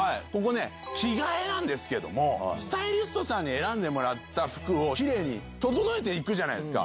着替えなんですけどスタイリストさんに選んでもらった服をキレイに整えるじゃないですか。